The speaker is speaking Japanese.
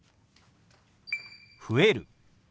「増える」。